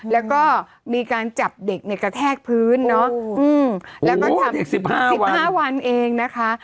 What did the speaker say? แล้วก็มีการจับเด็กในกระแทกพื้นเนาะแล้วก็จับเด็ก๑๕๑๕วันเองนะคะ